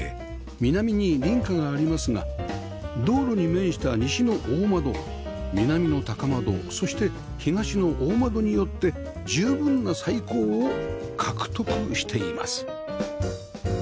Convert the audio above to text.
南に隣家がありますが道路に面した西の大窓南の高窓そして東の大窓によって十分な採光を獲得しています